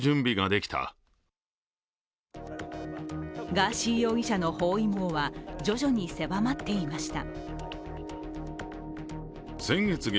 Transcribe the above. ガーシー容疑者の包囲網は徐々に狭まっていました。